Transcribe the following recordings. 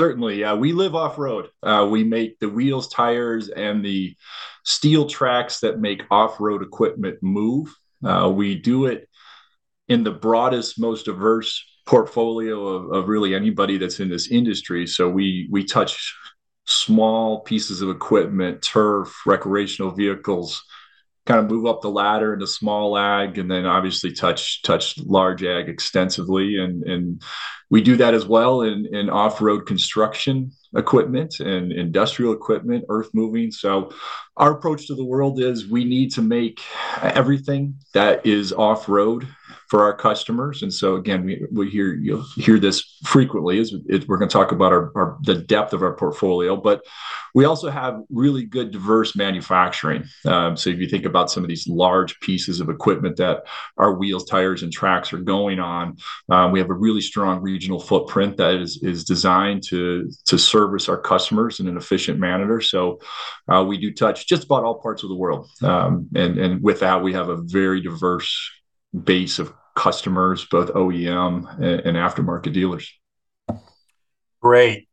Certainly, yeah, we live off-road. We make the wheels, tires, and the steel tracks that make off-road equipment move. We do it in the broadest, most diverse portfolio of really anybody that's in this industry. So we touch small pieces of equipment, turf, recreational vehicles, kind of move up the ladder into small ag, and then obviously touch large ag extensively. And we do that as well in off-road construction equipment and industrial equipment, earthmoving. So our approach to the world is we need to make everything that is off-road for our customers. And so, again, you'll hear this frequently, is we're gonna talk about our the depth of our portfolio, but we also have really good, diverse manufacturing. So if you think about some of these large pieces of equipment that our wheels, tires, and tracks are going on, we have a really strong regional footprint that is designed to service our customers in an efficient manner. So, we do touch just about all parts of the world. And with that, we have a very diverse base of customers, both OEM and aftermarket dealers. Great.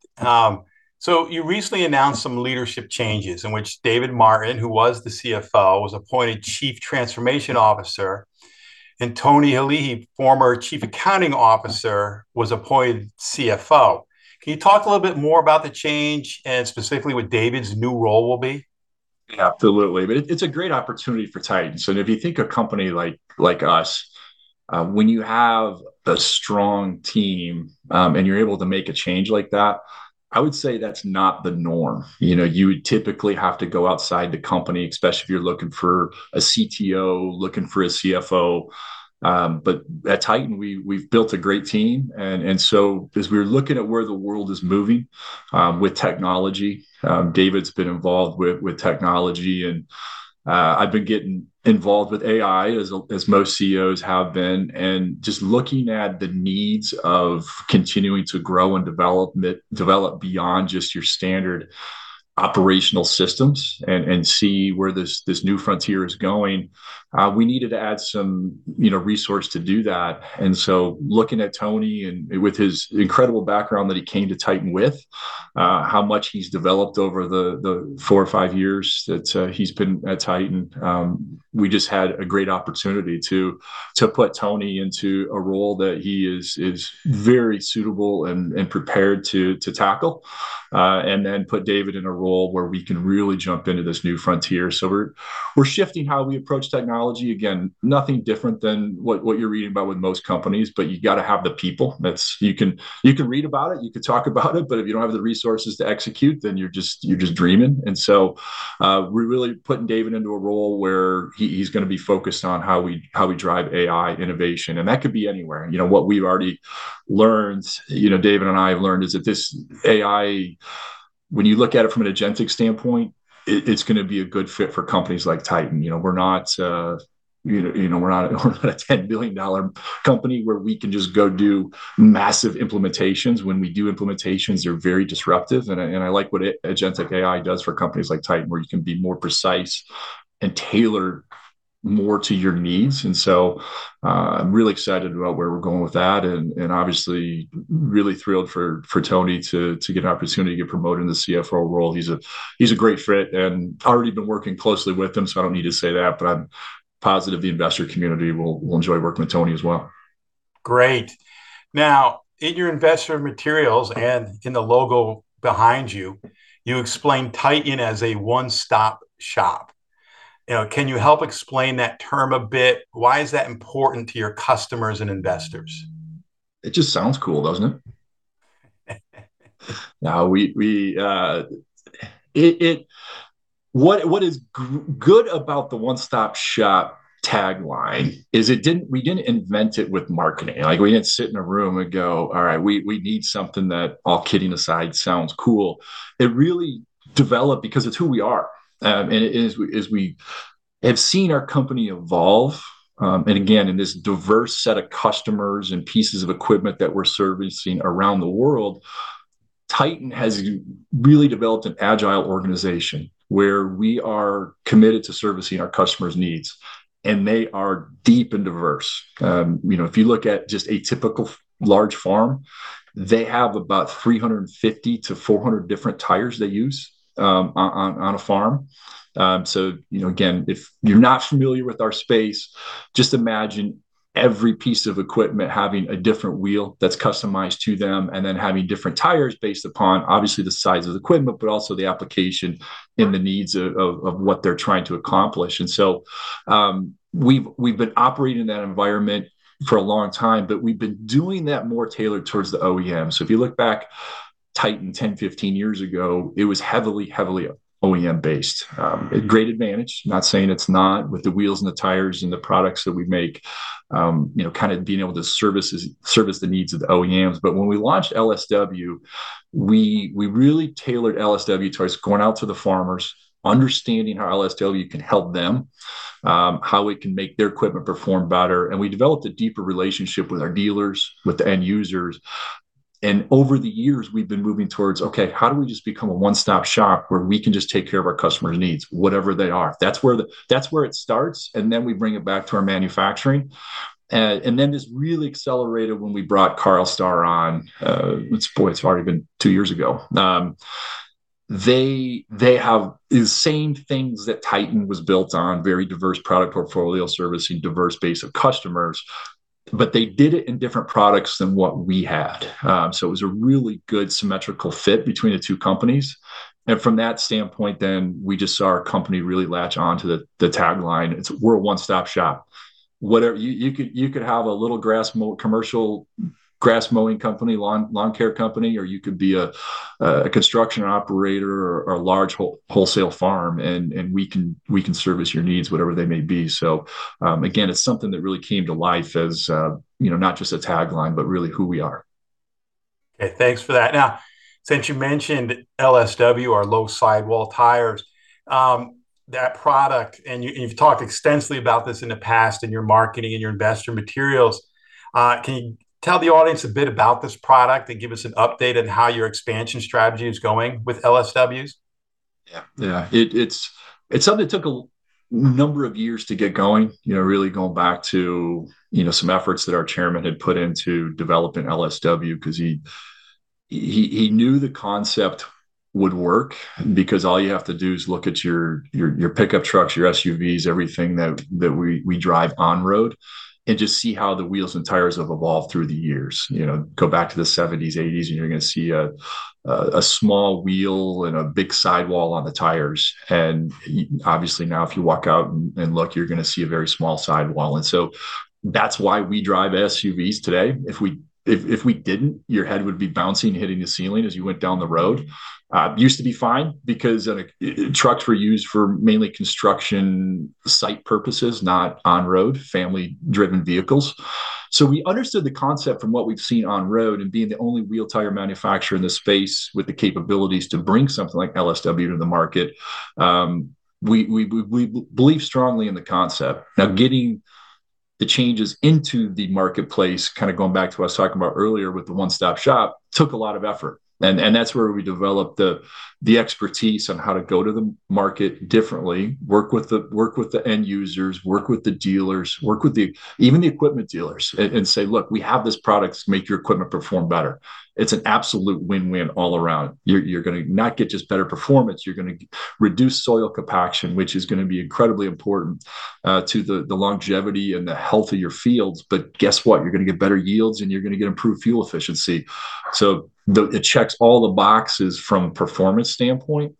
So you recently announced some leadership changes in which David Martin, who was the CFO, was appointed Chief Transformation Officer, and Tony Eheli, former Chief Accounting Officer, was appointed CFO. Can you talk a little bit more about the change and specifically what David's new role will be? Yeah, absolutely. But it's a great opportunity for Titan. So if you think a company like us, when you have the strong team, and you're able to make a change like that, I would say that's not the norm. You know, you would typically have to go outside the company, especially if you're looking for a CTO, looking for a CFO. But at Titan, we've built a great team, and so as we're looking at where the world is moving, with technology, David's been involved with technology, and I've been getting involved with AI, as most CEOs have been. Just looking at the needs of continuing to grow and develop beyond just your standard operational systems and see where this new frontier is going, we needed to add some, you know, resource to do that. And so looking at Tony and with his incredible background that he came to Titan with, how much he's developed over the four or five years that he's been at Titan, we just had a great opportunity to put Tony into a role that he is very suitable and prepared to tackle. And then put David in a role where we can really jump into this new frontier. So we're shifting how we approach technology. Again, nothing different than what you're reading about with most companies, but you gotta have the people. That's... You can, you can read about it, you can talk about it, but if you don't have the resources to execute, then you're just, you're just dreaming. We're really putting David into a role where he, he's gonna be focused on how we, how we drive AI innovation, and that could be anywhere. You know, what we've already learned, you know, David and I have learned, is that this AI, when you look at it from an agentic standpoint, it, it's gonna be a good fit for companies like Titan. You know, we're not, you know, you know, we're not a 10-billion-dollar company where we can just go do massive implementations. When we do implementations, they're very disruptive, and I like what agentic AI does for companies like Titan, where you can be more precise and tailor more to your needs. And so, I'm really excited about where we're going with that and obviously really thrilled for Tony to get an opportunity to get promoted in the CFO role. He's a great fit, and I've already been working closely with him, so I don't need to say that, but I'm positive the investor community will enjoy working with Tony as well. Great. Now, in your investor materials and in the logo behind you, you explain Titan as a one-stop shop. You know, can you help explain that term a bit? Why is that important to your customers and investors? It just sounds cool, doesn't it? Now, what is good about the one-stop shop tagline is it didn't we didn't invent it with marketing. Like, we didn't sit in a room and go: All right, we need something that, all kidding aside, sounds cool. It really developed because it's who we are. And as we have seen our company evolve, and again, in this diverse set of customers and pieces of equipment that we're servicing around the world, Titan has really developed an agile organization, where we are committed to servicing our customers' needs. And they are deep and diverse. You know, if you look at just a typical large farm, they have about 350-400 different tires they use, on a farm. So, you know, again, if you're not familiar with our space, just imagine every piece of equipment having a different wheel that's customized to them, and then having different tires based upon obviously the size of the equipment, but also the application-... and the needs of what they're trying to accomplish. And so, we've been operating in that environment for a long time, but we've been doing that more tailored towards the OEM. So if you look back Titan, 10, 15 years ago, it was heavily OEM-based. A great advantage, not saying it's not, with the wheels and the tires and the products that we make, you know, kind of being able to service the needs of the OEMs. But when we launched LSW, we really tailored LSW towards going out to the farmers, understanding how LSW can help them, how it can make their equipment perform better, and we developed a deeper relationship with our dealers, with the end users. Over the years, we've been moving towards, okay, how do we just become a one-stop shop where we can just take care of our customers' needs, whatever they are? That's where it starts, and then we bring it back to our manufacturing. And then this really accelerated when we brought Carlstar on. But, it's already been two years ago. They have the same things that Titan was built on, very diverse product portfolio, servicing diverse base of customers, but they did it in different products than what we had. So it was a really good symmetrical fit between the two companies. And from that standpoint then, we just saw our company really latch onto the tagline. It's: We're a one-stop shop. Whatever you could have a little grass mowing company, commercial grass mowing company, lawn care company, or you could be a construction operator or a large wholesale farm, and we can service your needs, whatever they may be. So, again, it's something that really came to life as, you know, not just a tagline, but really who we are. Okay, thanks for that. Now, since you mentioned LSW, our low sidewall tires, that product, and you've talked extensively about this in the past in your marketing and your investor materials. Can you tell the audience a bit about this product, and give us an update on how your expansion strategy is going with LSWs? Yeah. Yeah, it's something that took a number of years to get going, you know, really going back to, you know, some efforts that our chairman had put into developing LSW. Cause he knew the concept would work because all you have to do is look at your pickup trucks, your SUVs, everything that we drive on road, and just see how the wheels and tires have evolved through the years. You know, go back to the 1970s, 1980s, and you're gonna see a small wheel and a big sidewall on the tires. And obviously, now if you walk out and look, you're gonna see a very small sidewall. And so that's why we drive SUVs today. If we didn't, your head would be bouncing, hitting the ceiling as you went down the road. It used to be fine because trucks were used for mainly construction site purposes, not on-road, family-driven vehicles. So we understood the concept from what we'd seen on road, and being the only wheel tire manufacturer in the space with the capabilities to bring something like LSW to the market. We believe strongly in the concept. Now, getting the changes into the marketplace, kind of going back to what I was talking about earlier with the one-stop shop, took a lot of effort, and that's where we developed the expertise on how to go to the market differently, work with the end users, work with the dealers, even the equipment dealers and say: Look, we have this product to make your equipment perform better. It's an absolute win-win all around. You're gonna not get just better performance, you're gonna reduce soil compaction, which is gonna be incredibly important to the longevity and the health of your fields. But guess what? You're gonna get better yields, and you're gonna get improved fuel efficiency. So it checks all the boxes from a performance standpoint.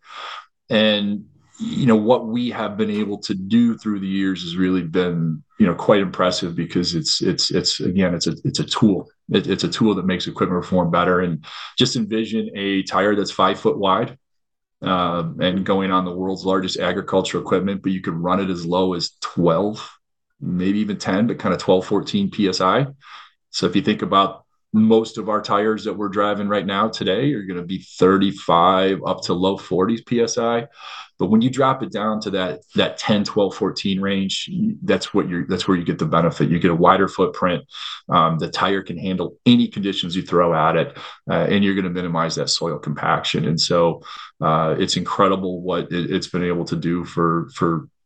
And you know, what we have been able to do through the years has really been you know quite impressive because it's again a tool. It's a tool that makes equipment perform better. Just envision a tire that's five-foot wide and going on the world's largest agricultural equipment, but you can run it as low as 12, maybe even 10, but kind of 12-14 PSI. So if you think about most of our tires that we're driving right now, today, you're gonna be 35 up to low 40s PSI. But when you drop it down to that, that 10, 12, 14 range, that's where you get the benefit. You get a wider footprint, the tire can handle any conditions you throw at it, and you're gonna minimize that soil compaction. And so, it's incredible what it's been able to do for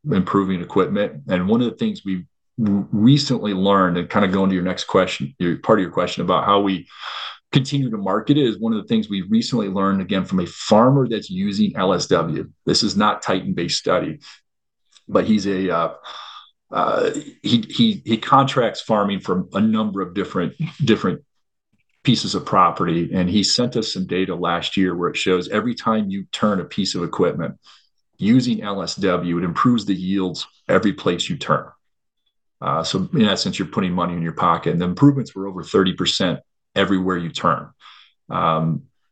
improving equipment. And one of the things we've recently learned, and kind of going to your next question, part of your question about how we continue to market it, is one of the things we've recently learned, again, from a farmer that's using LSW. This is not Titan-based study, but he's a... He contracts farming from a number of different pieces of property, and he sent us some data last year, where it shows every time you turn a piece of equipment using LSW, it improves the yields every place you turn. So in essence, you're putting money in your pocket, and the improvements were over 30% everywhere you turn.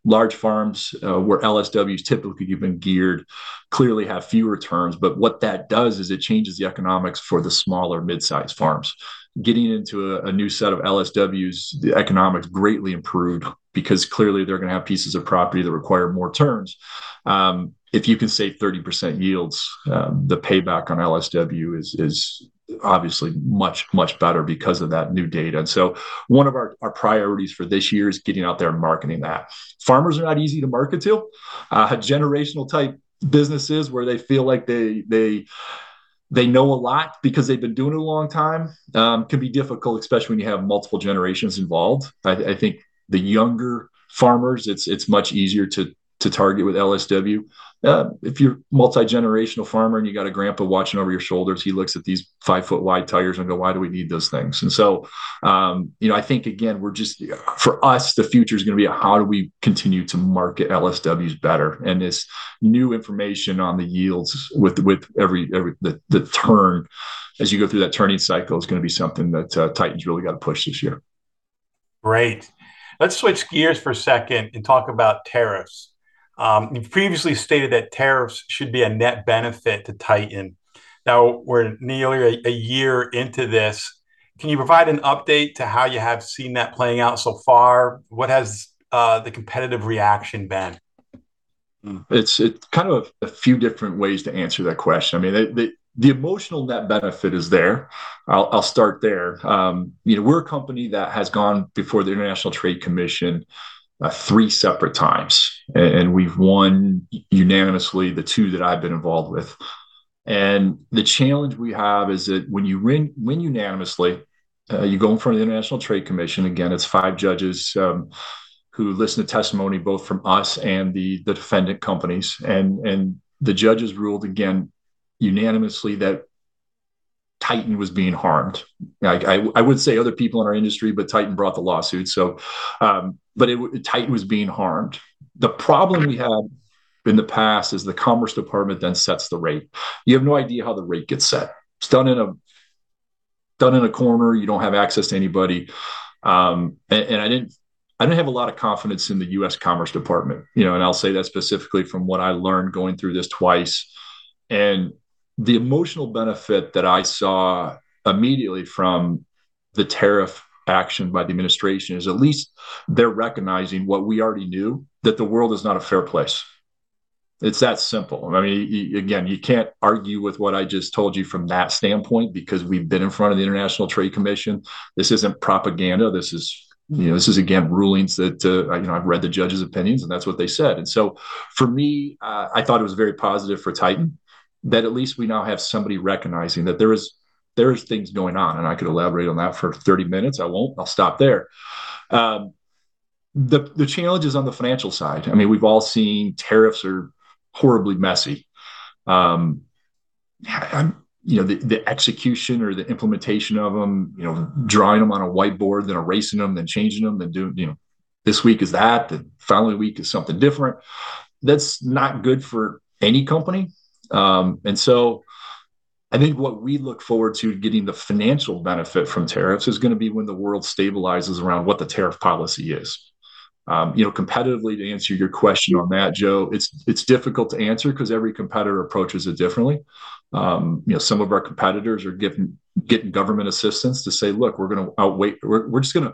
Large farms, where LSWs typically have been geared, clearly have fewer turns, but what that does is it changes the economics for the smaller, mid-sized farms. Getting into a new set of LSWs, the economics greatly improved because clearly they're gonna have pieces of property that require more turns. If you can save 30% yields, the payback on LSW is obviously much, much better because of that new data. One of our priorities for this year is getting out there and marketing that. Farmers are not easy to market to. Generational-type businesses, where they feel like they know a lot because they've been doing it a long time, can be difficult, especially when you have multiple generations involved. I think the younger farmers, it's much easier to target with LSW. If you're multi-generational farmer and you got a grandpa watching over your shoulders, he looks at these five-foot-wide tires and go: Why do we need those things? You know, I think again, we're just... For us, the future's gonna be, how do we continue to market LSWs better? This new information on the yields with every turn as you go through that turning cycle is gonna be something that Titan's really gotta push this year. Great. Let's switch gears for a second and talk about tariffs. You've previously stated that tariffs should be a net benefit to Titan. Now, we're nearly a year into this. Can you provide an update to how you have seen that playing out so far? What has the competitive reaction been? It's kind of a few different ways to answer that question. I mean, the emotional net benefit is there. I'll start there. You know, we're a company that has gone before the International Trade Commission, three separate times, and we've won unanimously the two that I've been involved with... and the challenge we have is that when you win unanimously, you go in front of the International Trade Commission. Again, it's five judges, who listen to testimony both from us and the defendant companies. And the judges ruled again unanimously that Titan was being harmed. I would say other people in our industry, but Titan brought the lawsuit, so, but Titan was being harmed. The problem we had in the past is the Commerce Department then sets the rate. You have no idea how the rate gets set. It's done in a corner. You don't have access to anybody. And I didn't have a lot of confidence in the U.S. Commerce Department, you know, and I'll say that specifically from what I learned going through this twice. And the emotional benefit that I saw immediately from the tariff action by the administration is at least they're recognizing what we already knew, that the world is not a fair place. It's that simple. I mean, again, you can't argue with what I just told you from that standpoint, because we've been in front of the International Trade Commission. This isn't propaganda. This is, you know, this is again, rulings that, you know, I've read the judge's opinions, and that's what they said. So for me, I thought it was very positive for Titan, that at least we now have somebody recognizing that there is, there is things going on, and I could elaborate on that for 30 minutes. I won't. I'll stop there. The challenge is on the financial side, I mean, we've all seen tariffs are horribly messy. You know, the execution or the implementation of them, you know, drawing them on a whiteboard, then erasing them, then changing them, then doing, you know, this week is that, then finally the week is something different. That's not good for any company. So I think what we look forward to getting the financial benefit from tariffs is gonna be when the world stabilizes around what the tariff policy is. You know, competitively, to answer your question on that, Joe, it's difficult to answer 'cause every competitor approaches it differently. You know, some of our competitors are getting government assistance to say: Look, we're gonna outwait. We're just gonna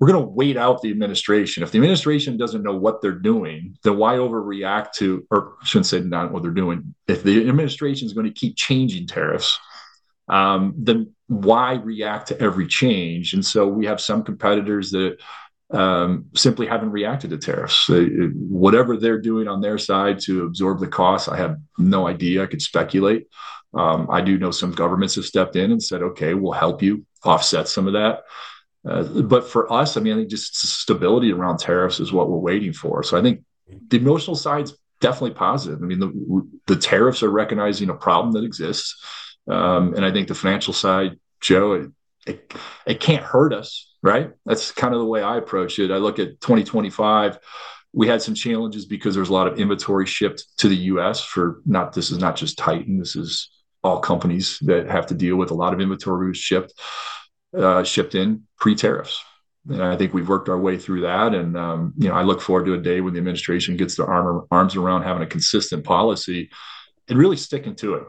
wait out the administration. If the administration doesn't know what they're doing, then why overreact to. Or I shouldn't say, not what they're doing. If the administration's gonna keep changing tariffs, then why react to every change? And so we have some competitors that simply haven't reacted to tariffs. They, whatever they're doing on their side to absorb the cost, I have no idea. I could speculate. I do know some governments have stepped in and said: Okay, we'll help you offset some of that. But for us, I mean, I think just stability around tariffs is what we're waiting for. So I think the emotional side's definitely positive. I mean, the tariffs are recognizing a problem that exists. And I think the financial side, Joe, it can't hurt us, right? That's kind of the way I approach it. I look at 2025, we had some challenges because there was a lot of inventory shipped to the U.S. This is not just Titan. This is all companies that have to deal with a lot of inventory was shipped in pre-tariffs, and I think we've worked our way through that. You know, I look forward to a day when the administration gets their arms around having a consistent policy and really sticking to it.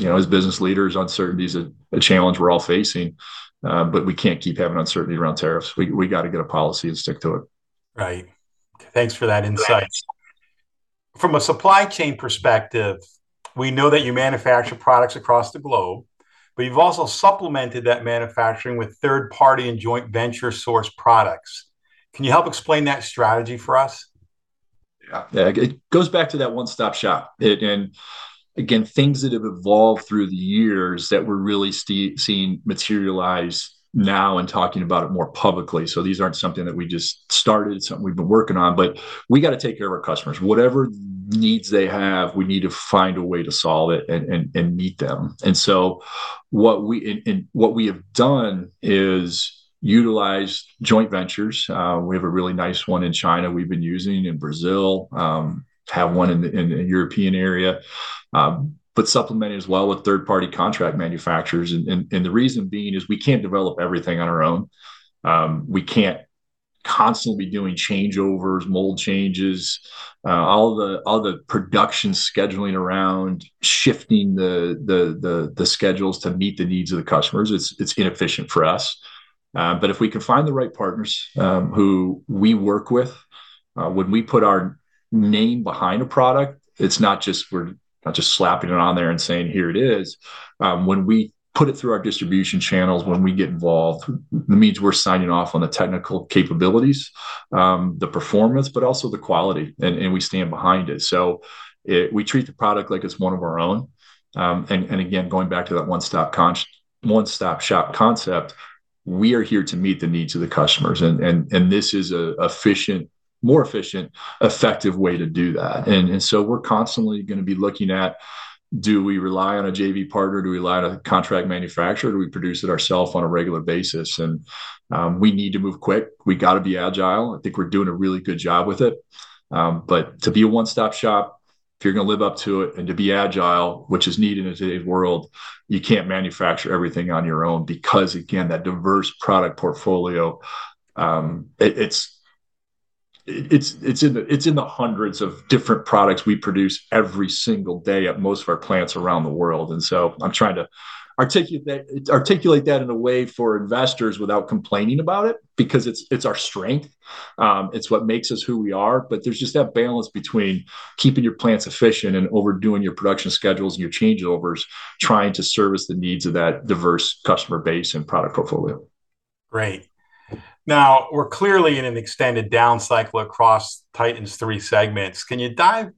You know, as business leaders, uncertainty is a challenge we're all facing, but we can't keep having uncertainty around tariffs. We got to get a policy and stick to it. Right. Thanks for that insight. From a supply chain perspective, we know that you manufacture products across the globe, but you've also supplemented that manufacturing with third-party and joint venture source products. Can you help explain that strategy for us? Yeah. Yeah, it goes back to that one-stop shop. And, again, things that have evolved through the years that we're really seeing materialize now and talking about it more publicly. So these aren't something that we just started, something we've been working on, but we got to take care of our customers. Whatever needs they have, we need to find a way to solve it and meet them. And so what we have done is utilize joint ventures. We have a really nice one in China we've been using, in Brazil, have one in the European area, but supplemented as well with third-party contract manufacturers. And the reason being is we can't develop everything on our own. We can't constantly be doing changeovers, mold changes, all the production scheduling around, shifting the schedules to meet the needs of the customers. It's inefficient for us. But if we can find the right partners who we work with, when we put our name behind a product, it's not just slapping it on there and saying: Here it is. When we put it through our distribution channels, when we get involved, that means we're signing off on the technical capabilities, the performance, but also the quality, and we stand behind it. So we treat the product like it's one of our own. And again, going back to that one-stop shop concept, we are here to meet the needs of the customers, and this is an efficient, more efficient, effective way to do that. So we're constantly gonna be looking at, do we rely on a JV partner? Do we rely on a contract manufacturer? Do we produce it ourselves on a regular basis? And we need to move quick. We got to be agile. I think we're doing a really good job with it. But to be a one-stop shop, if you're gonna live up to it and to be agile, which is needed in today's world, you can't manufacture everything on your own, because, again, that diverse product portfolio, it's in the hundreds of different products we produce every single day at most of our plants around the world. And so I'm trying to articulate that in a way for investors without complaining about it, because it's our strength. It's what makes us who we are. But there's just that balance between keeping your plants efficient and overdoing your production schedules and your changeovers, trying to service the needs of that diverse customer base and product portfolio.... Great! Now, we're clearly in an extended down cycle across Titan's three segments. Can you dive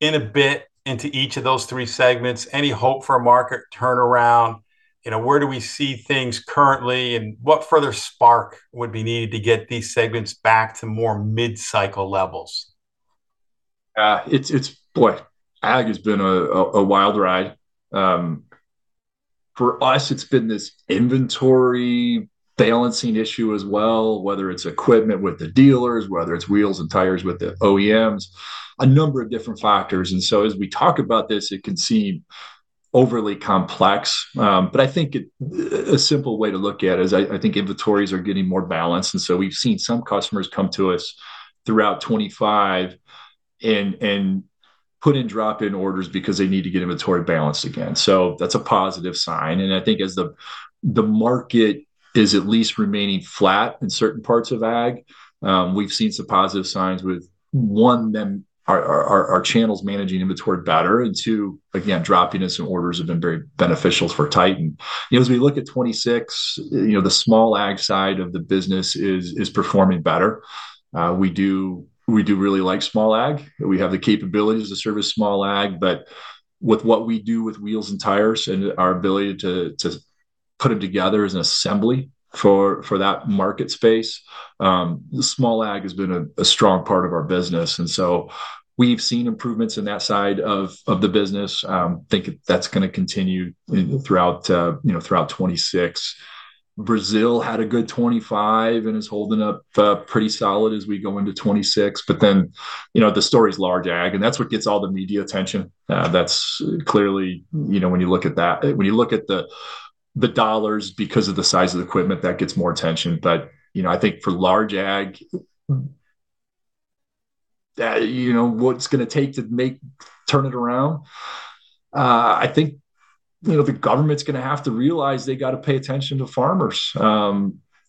in a bit into each of those three segments? Any hope for a market turnaround? You know, where do we see things currently, and what further spark would be needed to get these segments back to more mid-cycle levels? It's—boy, ag has been a wild ride. For us, it's been this inventory balancing issue as well, whether it's equipment with the dealers, whether it's wheels and tires with the OEMs, a number of different factors. And so, as we talk about this, it can seem overly complex. But I think a simple way to look at it is I think inventories are getting more balanced, and so we've seen some customers come to us throughout 2025 and put in drop-in orders because they need to get inventory balanced again. So that's a positive sign, and I think as the market is at least remaining flat in certain parts of ag. We've seen some positive signs with one, our channel's managing inventory better, and two, again, drop in orders have been very beneficial for Titan. You know, as we look at 2026, you know, the small ag side of the business is performing better. We do really like small ag. We have the capabilities to service small ag, but with what we do with wheels and tires and our ability to put them together as an assembly for that market space, the small ag has been a strong part of our business. And so we've seen improvements in that side of the business. Think that's gonna continue, you know, throughout, you know, throughout 2026. Brazil had a good 2025 and is holding up pretty solid as we go into 2026. But then, you know, the story is large ag, and that's what gets all the media attention. That's clearly, you know, when you look at that—when you look at the dollars because of the size of the equipment, that gets more attention. But, you know, I think for large ag, you know, what it's gonna take to turn it around, I think, you know, the government's gonna have to realize they got to pay attention to farmers.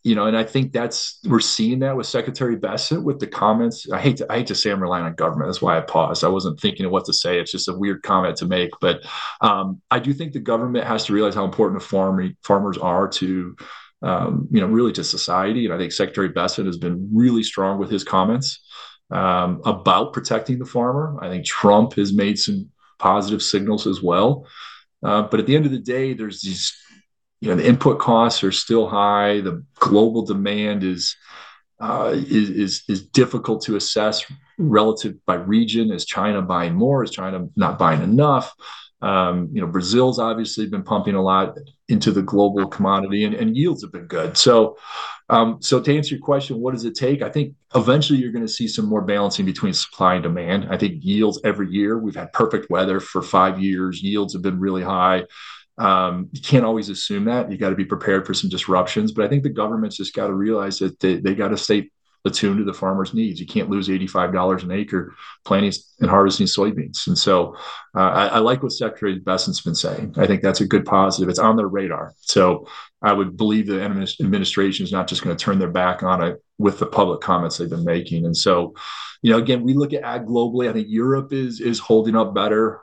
You know, and I think that's—we're seeing that with Secretary Vilsack, with the comments. I hate to, I hate to say I'm relying on government. That's why I paused. I wasn't thinking of what to say. It's just a weird comment to make. But, I do think the government has to realize how important the farmers are to, you know, really to society. And I think Secretary Vilsack has been really strong with his comments about protecting the farmer. I think Trump has made some positive signals as well. But at the end of the day, there's these, you know, the input costs are still high. The global demand is difficult to assess relative by region. Is China buying more? Is China not buying enough? You know, Brazil's obviously been pumping a lot into the global commodity, and yields have been good. So, to answer your question, what does it take? I think eventually you're gonna see some more balancing between supply and demand. I think yields every year, we've had perfect weather for five years. Yields have been really high. You can't always assume that. You got to be prepared for some disruptions, but I think the government's just got to realize that they got to stay attuned to the farmers' needs. You can't lose $85 an acre planting and harvesting soybeans. And so, I like what Secretary Vilsack's been saying. I think that's a good positive. It's on their radar. So I would believe the administration is not just gonna turn their back on it with the public comments they've been making. And so, you know, again, we look at ag globally. I think Europe is holding up better,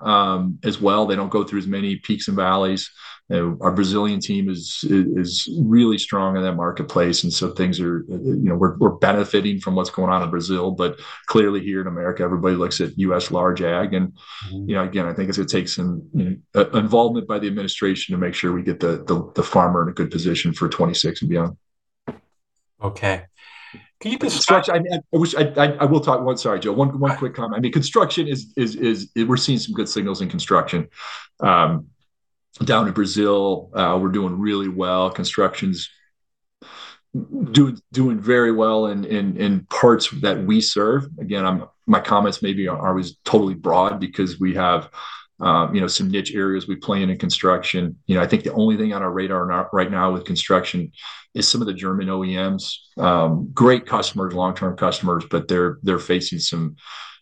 as well. They don't go through as many peaks and valleys. Our Brazilian team is really strong in that marketplace, and so things are, you know, we're benefiting from what's going on in Brazil. But clearly here in America, everybody looks at U.S. large ag. And, you know, again, I think it's gonna take some involvement by the administration to make sure we get the farmer in a good position for 2026 and beyond. Okay. Can you- Construction, which I will talk one. Sorry, Joe, one quick comment. I mean, construction is. We're seeing some good signals in construction. Down in Brazil, we're doing really well. Construction's doing very well in parts that we serve. Again, my comments maybe are totally broad because we have, you know, some niche areas we play in construction. You know, I think the only thing on our radar now right now with construction is some of the German OEMs. Great customers, long-term customers, but they're facing some,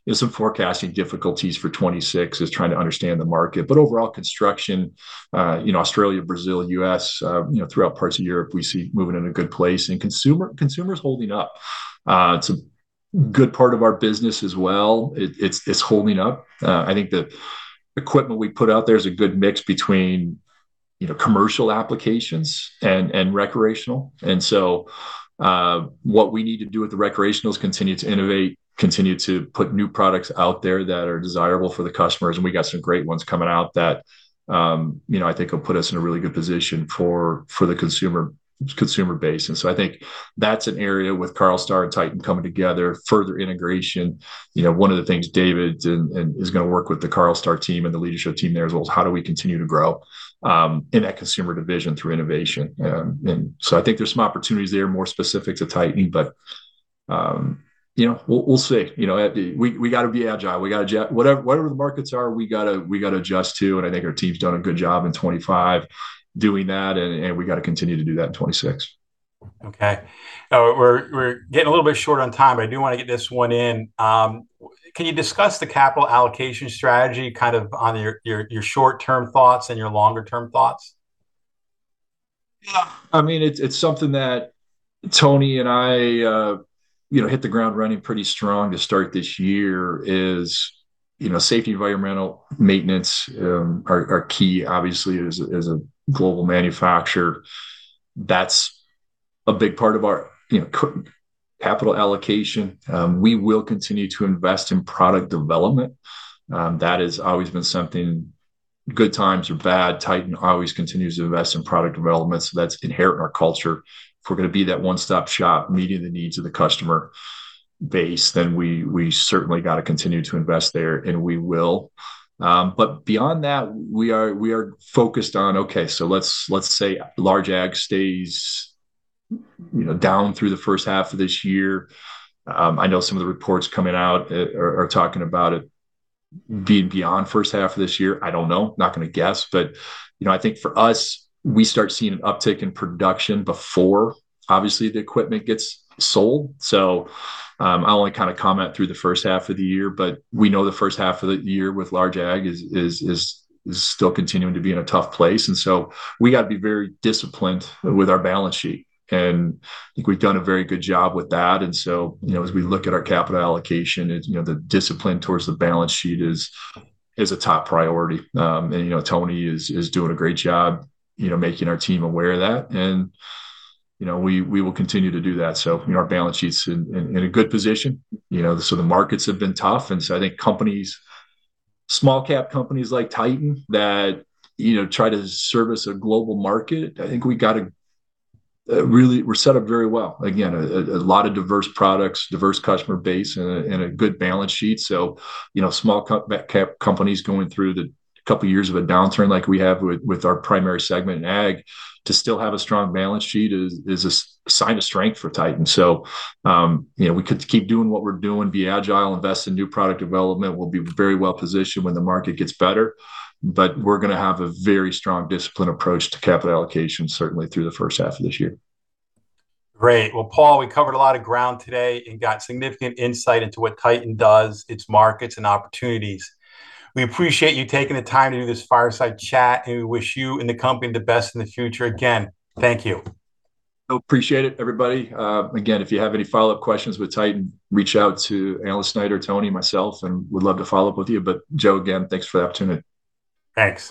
you know, some forecasting difficulties for 2026 is trying to understand the market. But overall construction, you know, Australia, Brazil, U.S., you know, throughout parts of Europe, we see moving in a good place. And consumer is holding up. It's a good part of our business as well. It's holding up. I think the equipment we put out there is a good mix between, you know, commercial applications and recreational. So, what we need to do with the recreational is continue to innovate, continue to put new products out there that are desirable for the customers, and we got some great ones coming out that, you know, I think will put us in a really good position for the consumer base. I think that's an area with Carlstar and Titan coming together, further integration. You know, one of the things David did and is gonna work with the Carlstar team and the leadership team there, as well as how do we continue to grow in that consumer division through innovation? So I think there's some opportunities there, more specific to Titan, but you know, we'll see. You know, we got to be agile, we got to adjust to whatever the markets are, and I think our team's done a good job in 2025 doing that, and we got to continue to do that in 2026. Okay. We're getting a little bit short on time, but I do want to get this one in. Can you discuss the capital allocation strategy, kind of on your short-term thoughts and your longer-term thoughts? Yeah. I mean, it's something that Tony and I, you know, hit the ground running pretty strong to start this year is, you know, safety, environmental, maintenance, are key, obviously, as a global manufacturer. That's a big part of our, you know, capital allocation. We will continue to invest in product development. That has always been something, good times or bad, Titan always continues to invest in product development, so that's inherent in our culture. If we're gonna be that one-stop shop, meeting the needs of the customer base, then we certainly gotta continue to invest there, and we will. But beyond that, we are focused on, okay, so let's say large ag stays, you know, down through the first half of this year. I know some of the reports coming out are talking about it being beyond first half of this year. I don't know, not gonna guess, but you know, I think for us, we start seeing an uptick in production before, obviously, the equipment gets sold. So, I'll only kind of comment through the first half of the year, but we know the first half of the year with large ag is still continuing to be in a tough place, and so we gotta be very disciplined with our balance sheet, and I think we've done a very good job with that. And so, you know, as we look at our capital allocation, it. You know, the discipline towards the balance sheet is a top priority. You know, Tony is doing a great job, you know, making our team aware of that, and, you know, we will continue to do that. So, you know, our balance sheet's in a good position, you know. So the markets have been tough, and so I think companies, small cap companies like Titan that, you know, try to service a global market, I think we're set up very well. Again, a lot of diverse products, diverse customer base, and a good balance sheet. So, you know, small cap companies going through the couple years of a downturn like we have with our primary segment in ag, to still have a strong balance sheet is a sign of strength for Titan. You know, we could keep doing what we're doing, be agile, invest in new product development. We'll be very well positioned when the market gets better, but we're gonna have a very strong, disciplined approach to capital allocation, certainly through the first half of this year. Great! Well, Paul, we covered a lot of ground today and got significant insight into what Titan does, its markets, and opportunities. We appreciate you taking the time to do this fireside chat, and we wish you and the company the best in the future. Again, thank you. No, appreciate it, everybody. Again, if you have any follow-up questions with Titan, reach out to Anna Snyder, Tony, myself, and we'd love to follow up with you. But Joe, again, thanks for the opportunity. Thanks.